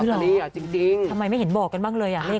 อุ๊ยเหรอทำไมไม่เห็นบอกกันบ้างเลยอ่ะเลขอะไรอ่ะ